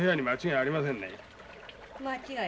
間違いありません。